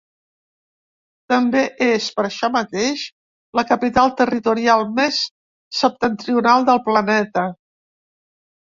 També és, per això mateix, la capital territorial més septentrional del planeta.